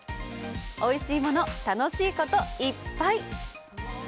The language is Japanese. おいしいもの、楽しいこといっぱい！